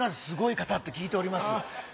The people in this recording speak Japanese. すごい方だって聞いております